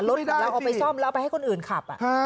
เราเอาไปซ่อมแล้วเอาไปให้คนอื่นขับ